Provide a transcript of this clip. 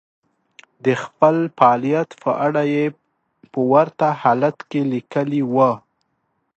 د خپل فعاليت په اړه يې په ورته حالت کې ليکلي وو.